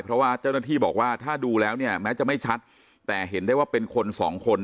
เพราะว่าเจ้าหน้าที่บอกว่าถ้าดูแล้วเนี่ยแม้จะไม่ชัดแต่เห็นได้ว่าเป็นคนสองคน